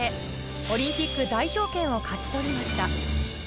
オリンピック代表権を勝ち取りました。